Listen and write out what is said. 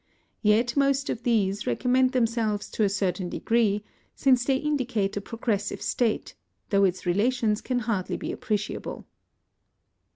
Yet most of these recommend themselves to a certain degree, since they indicate a progressive state, though its relations can hardly be appreciable.